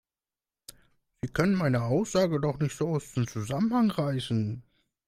Sie können meine Aussage doch nicht so aus dem Zusammenhang reißen!